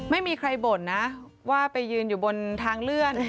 ไม่มีใครบ่นนะว่าไปยืนอยู่บนทางเลื่อน